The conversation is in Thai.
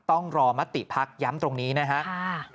ต้องรอมติพักย้ำตรงนี้นะครับ